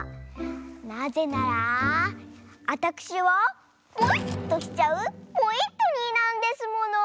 なぜならあたくしはポイっとしちゃうポイットニーなんですもの！